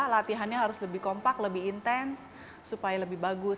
latihannya harus lebih kompak lebih intens supaya lebih bagus